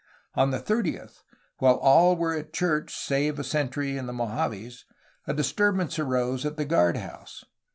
On the 30th, while all were at church, save a sentry and the Mojaves, a disturbance arose at the guard house.